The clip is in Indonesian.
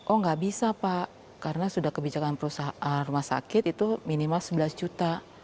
oh nggak bisa pak karena sudah kebijakan perusahaan rumah sakit itu minimal sebelas juta